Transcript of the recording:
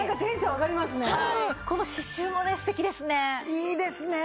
いいですね。